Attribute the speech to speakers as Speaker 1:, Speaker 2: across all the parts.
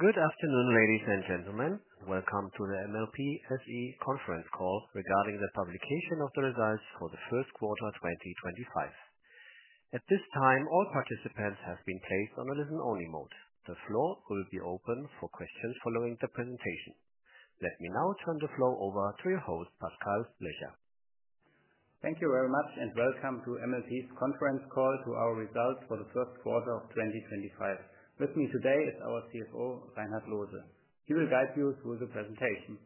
Speaker 1: Good afternoon, ladies and gentlemen. Welcome to the MLP SE conference call regarding the publication of the results for the First Quarter 2025. At this time, all participants have been placed on a listen-only mode. The floor will be open for questions following the presentation. Let me now turn the floor over to your host, Pascal Löcher.
Speaker 2: Thank you very much, and welcome to MLP's conference call to our results for the First Quarter of 2025. With me today is our CFO, Reinhard Loose. He will guide you through the presentation.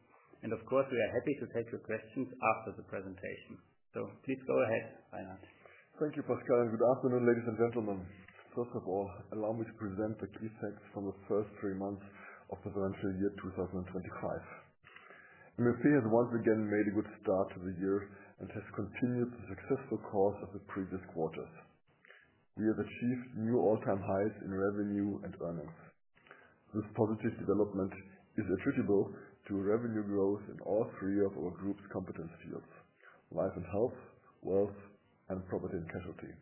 Speaker 2: Of course, we are happy to take your questions after the presentation. Please go ahead, Reinhard.
Speaker 3: Thank you, Pascal. Good afternoon, ladies and gentlemen. First of all, allow me to present the key facts from the first three months of the Financial Year 2025. MLP has once again made a good start to the year and has continued the successful course of the previous Quarters. We have achieved new all-time highs in revenue and earnings. This positive development is attributable to revenue growth in all three of our group's competence fields: life and health, wealth, and property and casualty.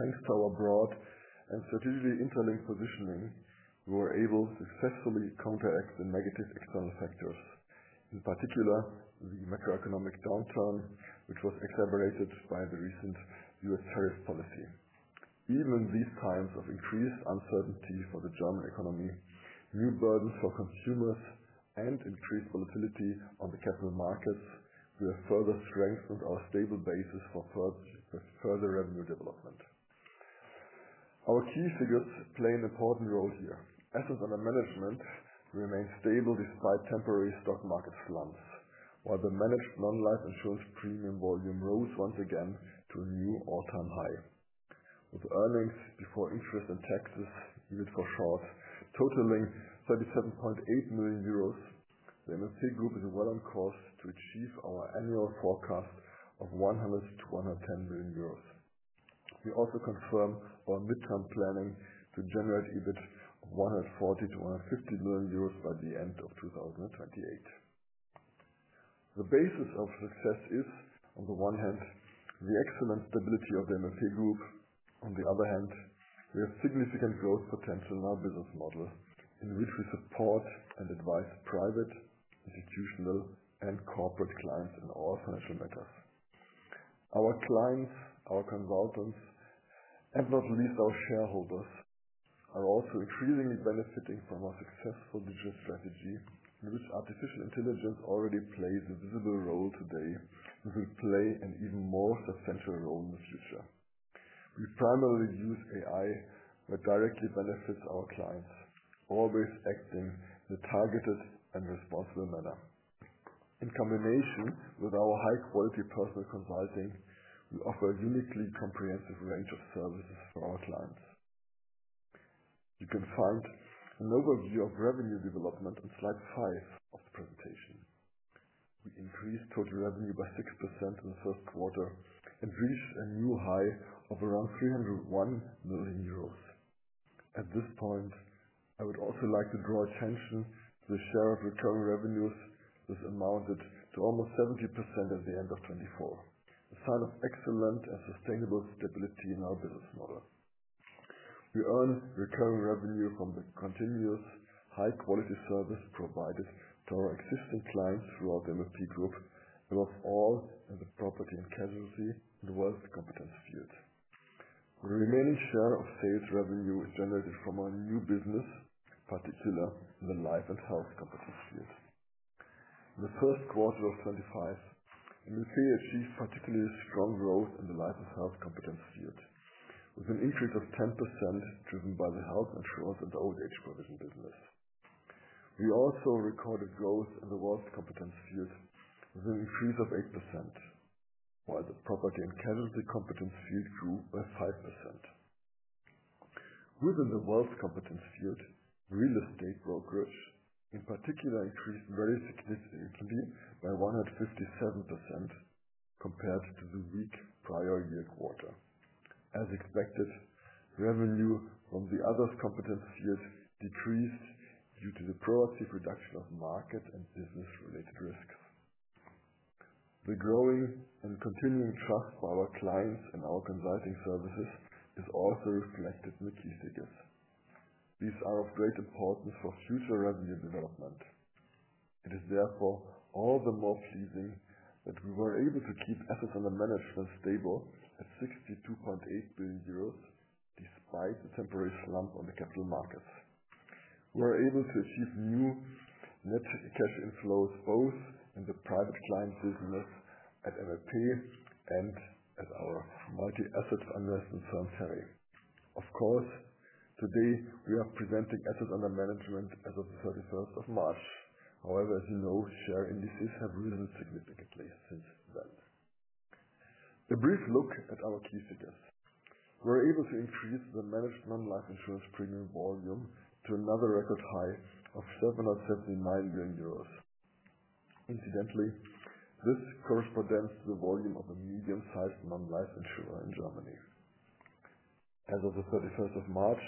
Speaker 3: Thanks to our broad and strategically interlinked positioning, we were able to successfully counteract the negative external factors, in particular the macroeconomic downturn, which was exaggerated by the recent U.S. tariff policy. Even in these times of increased uncertainty for the German economy, new burdens for consumers, and increased volatility on the capital markets, we have further strengthened our stable basis for further revenue development. Our key figures play an important role here. Assets under management remain stable despite temporary stock market slumps, while the managed non-life insurance premium volume rose once again to a new all-time high. With earnings before interest and taxes, even for short, totaling 37.8 million euros, the MLP Group is well on course to achieve our annual forecast of 100 million-110 million euros. We also confirm our midterm planning to generate EBIT of 140 million-150 million euros by the end of 2028. The basis of success is, on the one hand, the excellent stability of the MLP Group. On the other hand, we have significant growth potential in our business model, in which we support and advise private, institutional, and corporate clients in all financial matters. Our clients, our consultants, and not least our shareholders are also increasingly benefiting from our successful digital strategy, in which artificial intelligence already plays a visible role today, will play, and even more, a substantial role in the future. We primarily use AI, which directly benefits our clients, always acting in a targeted and responsible manner. In combination with our high-quality personal consulting, we offer a uniquely comprehensive range of services for our clients. You can find an overview of revenue development on slide five of the presentation. We increased total revenue by 6% in the First Quarter and reached a new high of around 301 million euros. At this point, I would also like to draw attention to the share of recurring revenues, which amounted to almost 70% at the end of 2024, a sign of excellent and sustainable stability in our business model. We earn recurring revenue from the continuous high-quality service provided to our existing clients throughout the MLP Group, above all in the property and casualty and wealth competence field. The remaining share of sales revenue is generated from our new business, particularly in the life and health competence field. In the First Quarter of 2025, MLP achieved particularly strong growth in the life and health competence field, with an increase of 10% driven by the health insurance and old-age provision business. We also recorded growth in the wealth competence field with an increase of 8%, while the property and casualty competence field grew by 5%. Within the wealth competence field, real estate brokerage in particular increased very significantly by 157% compared to the prior year Quarter. As expected, revenue from the others competence field decreased due to the proactive reduction of market and business-related risks. The growing and continuing trust for our clients and our consulting services is also reflected in the key figures. These are of great importance for future revenue development. It is therefore all the more pleasing that we were able to keep assets under management stable at 62.8 billion euros, despite the temporary slump on the capital markets. We were able to achieve new net cash inflows both in the private client business at MLP and at our multi-asset investment firm FERI. Of course, today we are presenting assets under management as of the 31st of March. However, as you know, share indices have risen significantly since then. A brief look at our key figures. We were able to increase the managed non-life insurance premium volume to another record high of 779 million euros. Incidentally, this corresponds to the volume of a medium-sized non-life insurer in Germany. As of the 31st of March,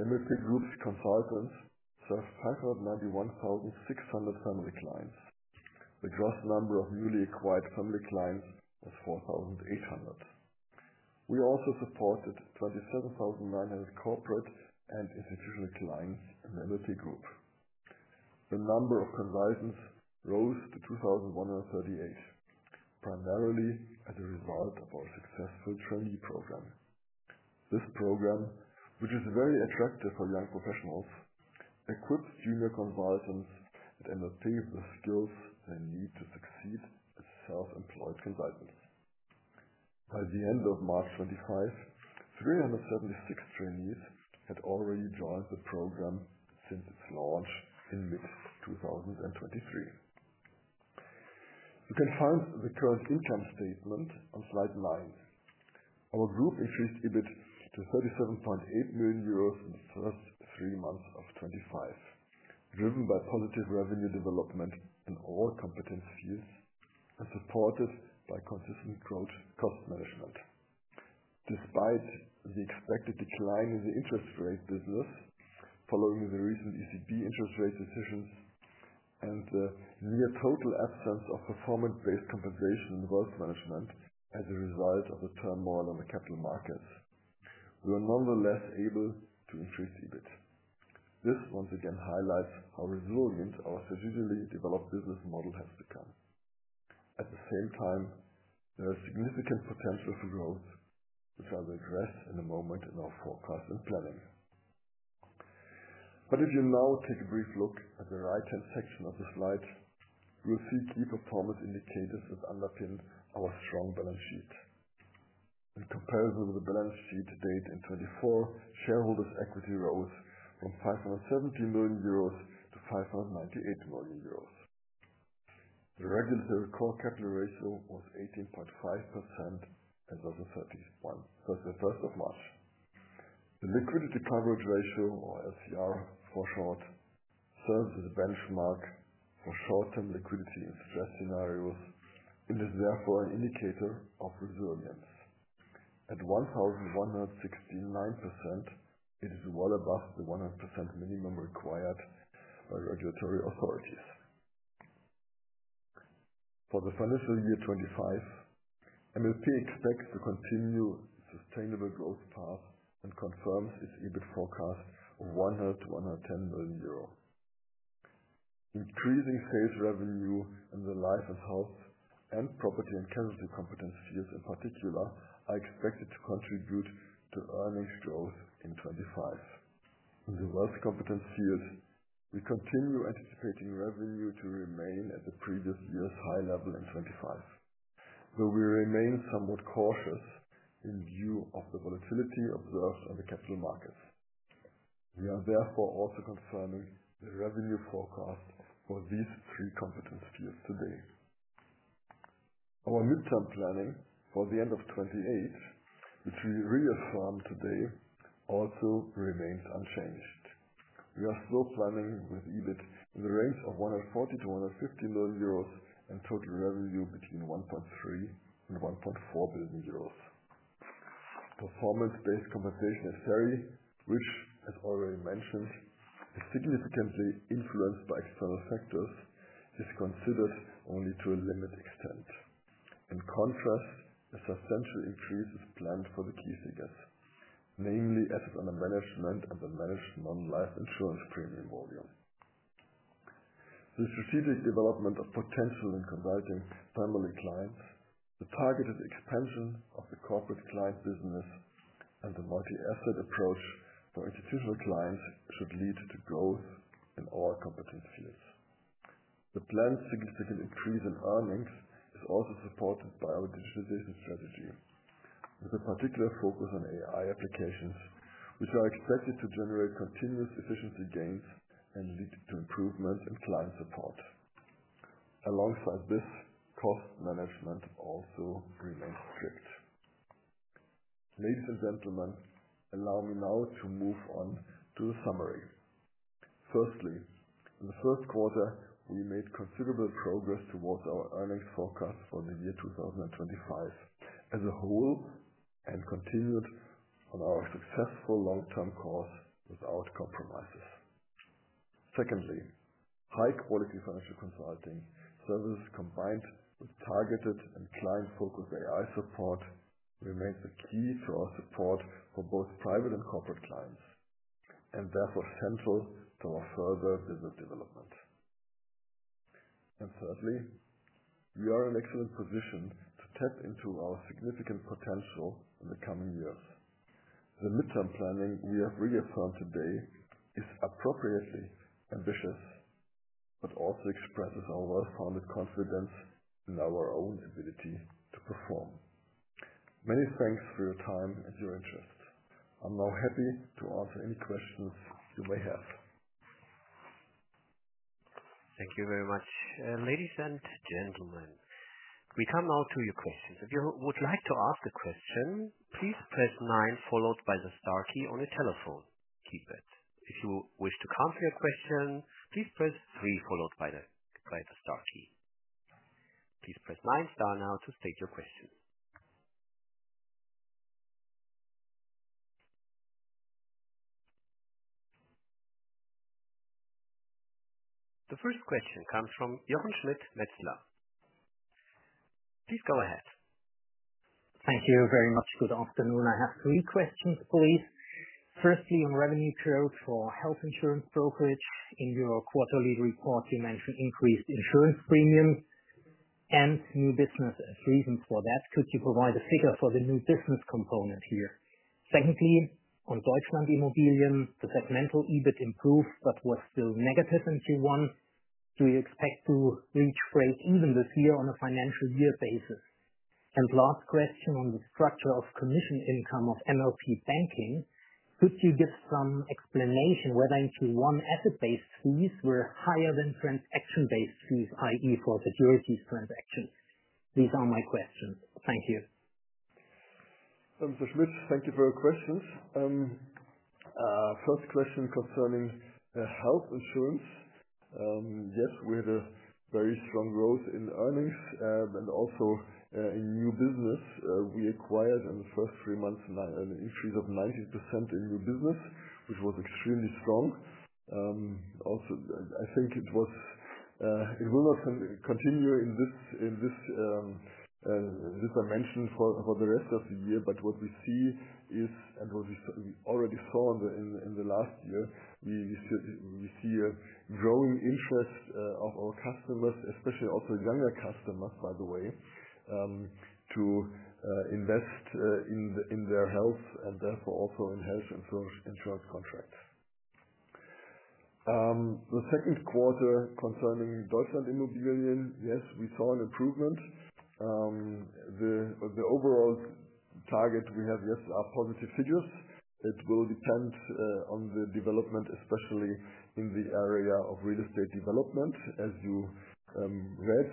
Speaker 3: MLP Group's consultants served 591,600 family clients. The gross number of newly acquired family clients was 4,800. We also supported 27,900 corporate and institutional clients in the MLP Group. The number of consultants rose to 2,138, primarily as a result of our successful trainee program. This program, which is very attractive for young professionals, equips junior consultants at MLP with the skills they need to succeed as self-employed consultants. By the end of March 2025, 376 trainees had already joined the program since its launch in mid-2023. You can find the current income statement on slide nine. Our group increased EBIT to 37.8 million euros in the first three months of 2025, driven by positive revenue development in all competence fields and supported by consistent growth cost management. Despite the expected decline in the interest rate business following the recent ECB interest rate decisions and the near total absence of performance-based compensation in wealth management as a result of the turmoil on the capital markets, we were nonetheless able to increase EBIT. This once again highlights how resilient our strategically developed business model has become. At the same time, there is significant potential for growth, which I will address in a moment in our forecast and planning. If you now take a brief look at the right-hand section of the slide, you will see key performance indicators that underpin our strong balance sheet. In comparison with the balance sheet date in 2024, shareholders' equity rose from 570 million euros to 598 million euros. The regulatory core capital ratio was 18.5% as of the 31st of March. The liquidity coverage ratio, or LCR for short, serves as a benchmark for short-term liquidity in stress scenarios. It is therefore an indicator of resilience. At 1,169%, it is well above the 100% minimum required by regulatory authorities. For the financial year 2025, MLP expects to continue its sustainable growth path and confirms its EBIT forecast of 100 million-110 million euro. Increasing sales revenue in the life and health and property and casualty competence fields, in particular, are expected to contribute to earnings growth in 2025. In the wealth competence field, we continue anticipating revenue to remain at the previous year's high level in 2025, though we remain somewhat cautious in view of the volatility observed on the capital markets. We are therefore also confirming the revenue forecast for these three competence fields today. Our midterm planning for the end of 2028, which we reaffirm today, also remains unchanged. We are still planning with EBIT in the range of 140 million-150 million euros and total revenue between 1.3 billion and 1.4 billion euros. Performance-based compensation at FERI, which, as already mentioned, is significantly influenced by external factors, is considered only to a limited extent. In contrast, a substantial increase is planned for the key figures, namely assets under management and the managed non-life insurance premium volume. The strategic development of potential and consulting family clients, the targeted expansion of the corporate client business, and the multi-asset approach for institutional clients should lead to growth in all competence fields. The planned significant increase in earnings is also supported by our digitization strategy, with a particular focus on AI applications, which are expected to generate continuous efficiency gains and lead to improvements in client support. also remains strict. Ladies and gentlemen, allow me now to move on to the summary. Firstly, in the First Quarter, we made considerable progress towards our earnings forecast for the year 2025 as a whole and continued on our successful long-term course without compromises. Secondly, high-quality financial consulting services combined with targeted and client-focused AI support remain the key to our support for both private and corporate clients and therefore central to our further business development. Thirdly, we are in excellent position to tap into our significant potential in the coming years. The midterm planning we have reaffirmed today is appropriately ambitious, but also expresses our well-founded confidence in our own ability to perform. Many thanks for your time and your interest. I'm now happy to answer any questions you may have.
Speaker 1: Thank you very much. Ladies and gentlemen, we come now to your questions. If you would like to ask a question, please press nine followed by the star key on your telephone keypad. If you wish to come to your question, please press three followed by the star key. Please press nine star now to state your question. The first question comes from Jürgen Schmidt Metzler. Please go ahead.
Speaker 4: Thank you very much. Good afternoon. I have three questions, please. Firstly, on revenue growth for health insurance brokerage, in your Quarterly report, you mentioned increased insurance premium and new business as reasons for that. Could you provide a figure for the new business component here? Secondly, on Deutschland Immobilien, the segmental EBIT improved but was still negative in Q1. Do you expect to reach break even this year on a financial year basis? And last question on the structure of commission income of MLP banking. Could you give some explanation whether in Q1 asset-based fees were higher than transaction-based fees, i.e., for securities transactions? These are my questions. Thank you.
Speaker 3: Mr. Schmidt, thank you for your questions. First question concerning health insurance. Yes, we had a very strong growth in earnings and also in new business. We acquired in the first three months an increase of 90% in new business, which was extremely strong. Also, I think it will not continue in this dimension for the rest of the year, but what we see is, and what we already saw in the last year, we see a growing interest of our customers, especially also younger customers, by the way, to invest in their health and therefore also in health insurance contracts. The second Quarter concerning Deutschland Immobilien, yes, we saw an improvement. The overall target we have yet are positive figures. It will depend on the development, especially in the area of real estate development, as you read.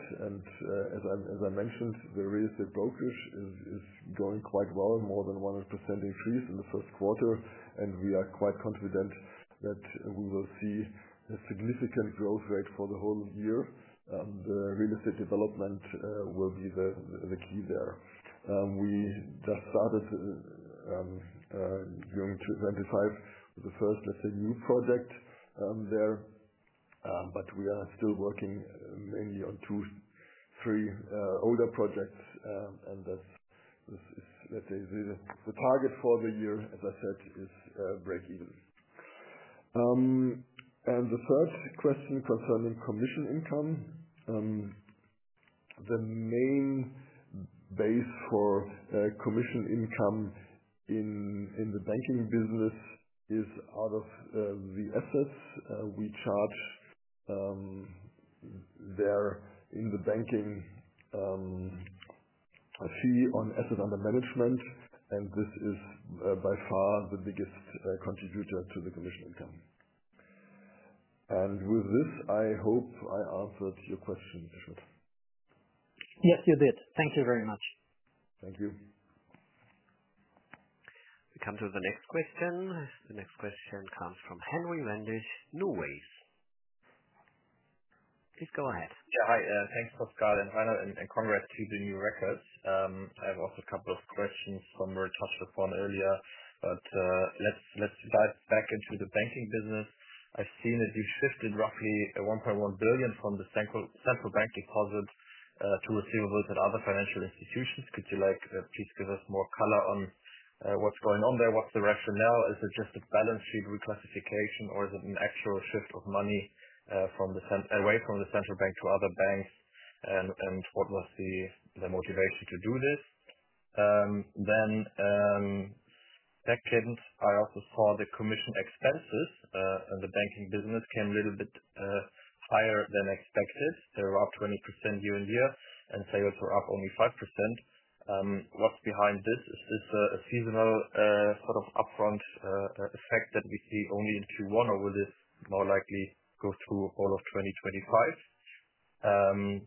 Speaker 3: As I mentioned, the real estate brokerage is going quite well, more than 100% increase in the First Quarter, and we are quite confident that we will see a significant growth rate for the whole year. The real estate development will be the key there. We just started during 2025 with the first, let's say, new project there, but we are still working mainly on two, three older projects, and that's, let's say, the target for the year, as I said, is break even. The third question concerning commission income, the main base for commission income in the banking business is out of the assets we charge there in the banking fee on asset under management, and this is by far the biggest contributor to the commission income. With this, I hope I answered your question, Mr. Schmidt.
Speaker 4: Yes, you did. Thank you very much.
Speaker 3: Thank you.
Speaker 1: We come to the next question. The next question comes from Henry Lendage, Norway. Please go ahead.
Speaker 5: Yeah, hi. Thanks, Pascal, and final congrats to the new records. I have also a couple of questions. Some were touched upon earlier, but let's dive back into the banking business. I've seen a huge shift in roughly 1.1 billion from the central bank deposit to receivables at other financial institutions. Could you please give us more color on what's going on there? What's the rationale? Is it just a balance sheet reclassification, or is it an actual shift of money away from the central bank to other banks? And what was the motivation to do this? Second, I also saw the commission expenses in the banking business came a little bit higher than expected. They were up 20% year on year, and sales were up only 5%. What's behind this? Is this a seasonal sort of upfront effect that we see only in Q1, or will this more likely go through all of 2025?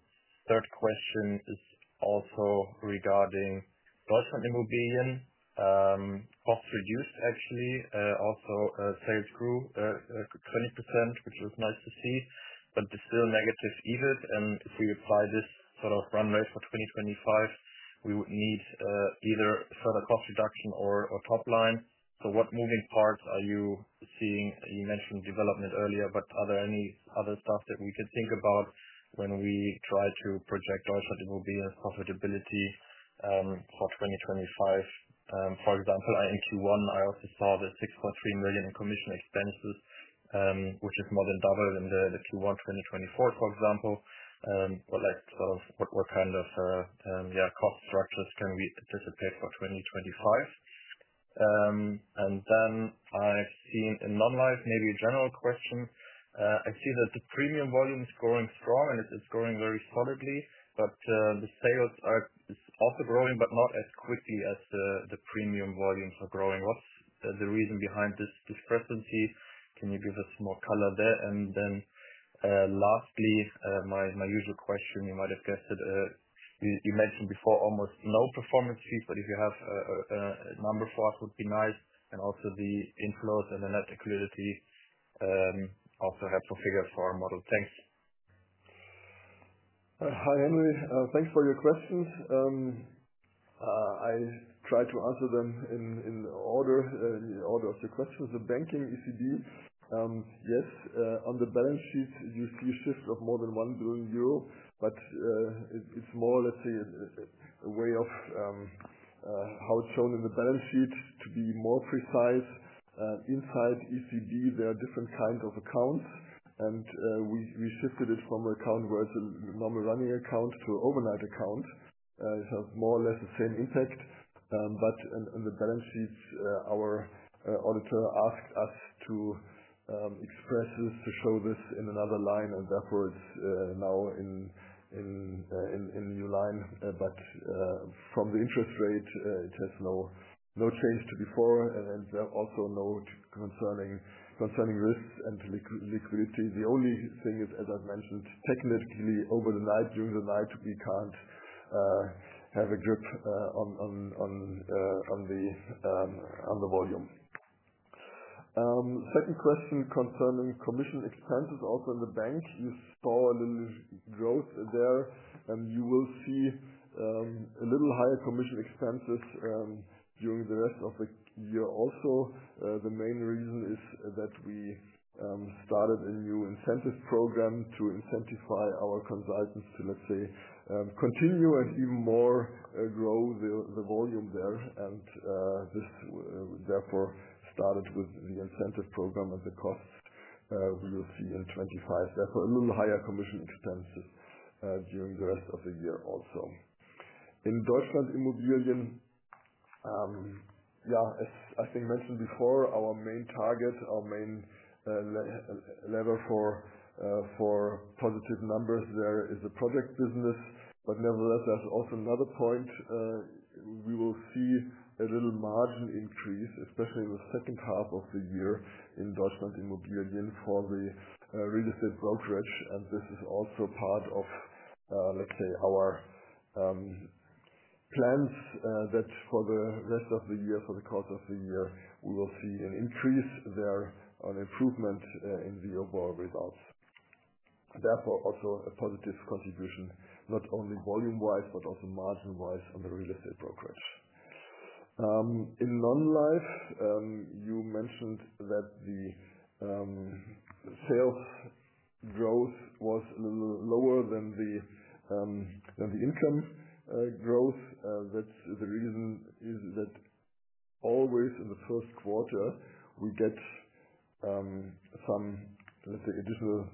Speaker 5: Third question is also regarding Deutschland Immobilien, cost reduced, actually. Also, sales grew 20%, which was nice to see, but it's still negative EBIT. If we apply this sort of run rate for 2025, we would need either further cost reduction or top line. What moving parts are you seeing? You mentioned development earlier, but are there any other stuff that we could think about when we try to project Deutschland Immobilien's profitability for 2025? For example, in Q1, I also saw the 6.3 million in commission expenses, which is more than double than the Q1 2024, for example. But sort of what kind of, yeah, cost structures can we anticipate for 2025? And then I've seen in non-life, maybe a general question. I see that the premium volume is growing strong, and it's growing very solidly, but the sales are also growing, but not as quickly as the premium volumes are growing. What's the reason behind this discrepancy? Can you give us more color there? And then lastly, my usual question, you might have guessed it. You mentioned before almost no performance fees, but if you have a number for us, it would be nice. And also the inflows and the net liquidity also help to figure out for our model. Thanks.
Speaker 3: Hi, Henrik. Thanks for your questions. I tried to answer them in the order of the questions. The banking ECB, yes, on the balance sheet, you see a shift of more than 1 billion euro, but it's more, let's say, a way of how it's shown in the balance sheet to be more precise. Inside ECB, there are different kinds of accounts, and we shifted it from an account where it's a normal running account to an overnight account. It has more or less the same impact, but in the balance sheets, our auditor asked us to express this to show this in another line, and therefore it's now in a new line. From the interest rate, it has no change to before, and there are also no concerning risks and liquidity. The only thing is, as I've mentioned, technically overnight, during the night, we can't have a grip on the volume. Second question concerning commission expenses also in the bank. You saw a little growth there, and you will see a little higher commission expenses during the rest of the year also. The main reason is that we started a new incentive program to incentivize our consultants to, let's say, continue and even more grow the volume there. This therefore started with the incentive program and the costs we will see in 2025. Therefore, a little higher commission expenses during the rest of the year also. In Deutschland Immobilien, yeah, as I think mentioned before, our main target, our main lever for positive numbers there is the project business. Nevertheless, there is also another point. We will see a little margin increase, especially in the second half of the year in Deutschland Immobilien for the real estate brokerage. This is also part of, let's say, our plans that for the rest of the year, for the course of the year, we will see an increase there on improvement in the overall results. Therefore, also a positive contribution, not only volume-wise, but also margin-wise on the real estate brokerage. In non-life, you mentioned that the sales growth was a little lower than the income growth. The reason is that always in the First Quarter, we get some, let's say, additional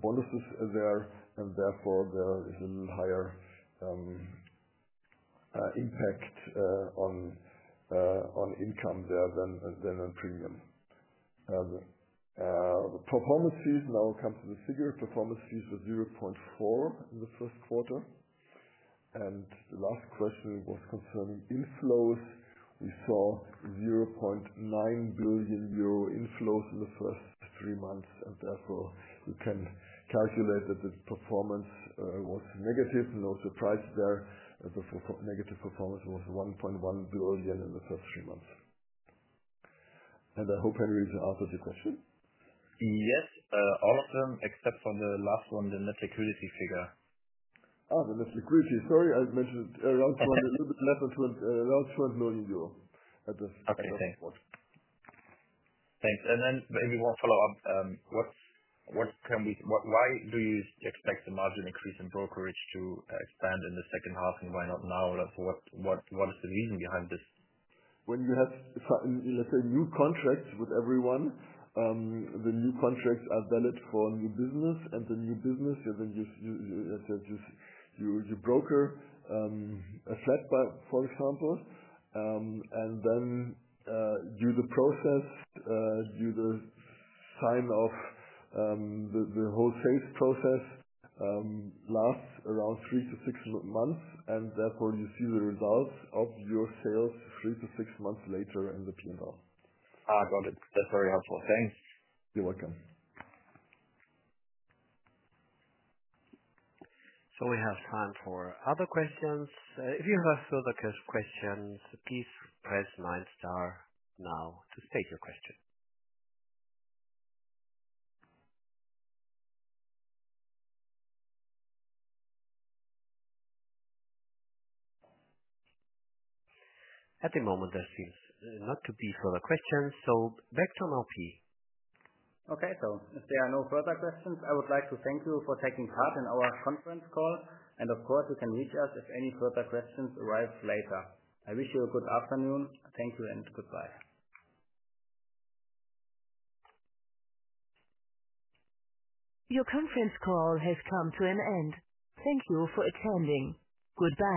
Speaker 3: bonuses there, and therefore there is a little higher impact on income there than on premium. Performance fees now come to the figure. Performance fees were 0.4 million in the First Quarter. The last question was concerning inflows. We saw 0.9 billion euro inflows in the first three months, and therefore you can calculate that the performance was negative. No surprise there. The negative performance was 1.1 billion in the first three months. I hope Henrik has answered your question.
Speaker 5: Yes, all of them except for the last one, the net liquidity figure.
Speaker 3: Oh, the net liquidity. Sorry, I mentioned it earlier. I was going a little bit less than EUR 200 million at the second Quarter.
Speaker 5: Okay. Thanks. Maybe one follow-up. Why do you expect the margin increase in brokerage to expand in the second half, and why not now? What is the reason behind this?
Speaker 3: When you have, let's say, new contracts with everyone, the new contracts are valid for new business, and the new business, you broker a flat, for example, and then do the process, do the sign-off. The whole sales process lasts around three to six months, and therefore you see the results of your sales three to six months later in the P&L.
Speaker 5: Got it. That's very helpful. Thanks.
Speaker 3: You're welcome.
Speaker 1: We have time for other questions. If you have further questions, please press nine star now to state your question. At the moment, there seems not to be further questions. Back to MLP.
Speaker 2: If there are no further questions, I would like to thank you for taking part in our conference call. Of course, you can reach us if any further questions arise later. I wish you a good afternoon. Thank you and goodbye.
Speaker 1: Your conference call has come to an end. Thank you for attending. Goodbye.